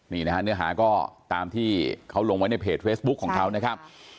นี่นะฮะเนื้อหาก็ตามที่เขาลงไว้ในเพจเฟซบุ๊คของเขานะครับ